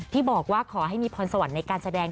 ที่บอกว่าขอให้มีพรสวรรค์ในการแสดง